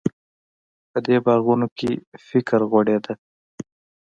په دې باغونو کې فکر غوړېده.